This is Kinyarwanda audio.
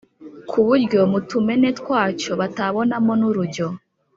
ku buryo mu tumene twacyo batabonamo n’urujyo,